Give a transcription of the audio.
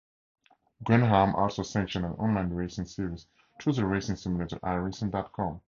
Grand-Am also sanctioned an online racing series through the racing simulator iRacing dot com.